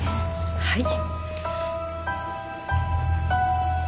はい。